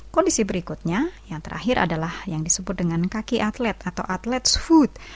kondisi berikutnya yang terakhir adalah yang disebut dengan kaki atlet atau atlet sfood